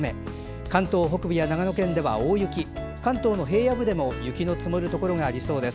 関東北部や長野県では大雪関東の平野部でも雪の積もるところがありそうです。